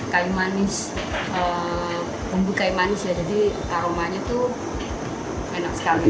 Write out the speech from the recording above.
kayu manis bumbu kayu manis ya jadi aromanya tuh enak sekali